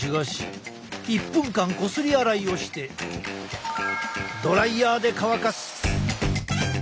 １分間こすり洗いをしてドライヤーで乾かす。